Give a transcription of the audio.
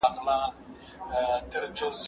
زه مخکي کښېناستل کړي وو!؟